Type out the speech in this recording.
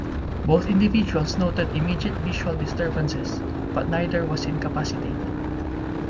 Both individuals noted immediate visual disturbances, but neither was incapacitated.